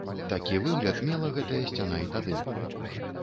Такі выгляд мела гэтая сцяна і тады.